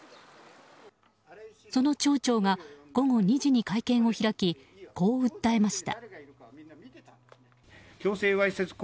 その町長が午後２時に会見を開きこう訴えました。